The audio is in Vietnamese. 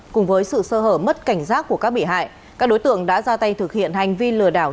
cùng với sự sơ hở mất cảnh giác của các bị hại các đối tượng đã ra tay thực hiện hành vi lừa đảo